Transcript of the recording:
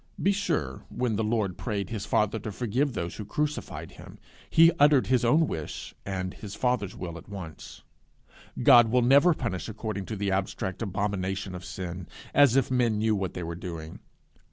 Be sure, when the Lord prayed his Father to forgive those who crucified him, he uttered his own wish and his Father's will at once: God will never punish according to the abstract abomination of sin, as if men knew what they were doing.